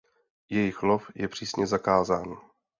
Jejich lov je přísně zakázán.